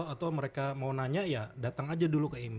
atau mereka mau nanya ya datang aja dulu ke emy